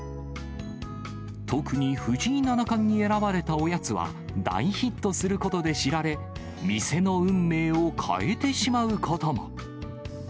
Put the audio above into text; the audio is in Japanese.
特に藤井七冠に選ばれたおやつは大ヒットすることで知られ、店の運命を変えてしまうことも。